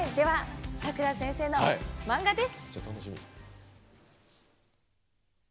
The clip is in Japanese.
さくら先生のマンガです。